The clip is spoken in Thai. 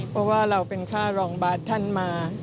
เพราะว่าเราเป็นค่ารองบาทท่านมา